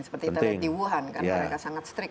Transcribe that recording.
seperti tadi di wuhan karena mereka sangat strik